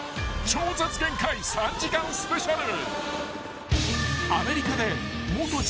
『超絶限界』３時間スペシャル］